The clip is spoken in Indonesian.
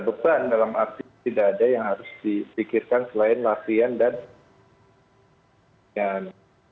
beban dalam arti tidak ada yang harus dipikirkan selain latihan dan latihan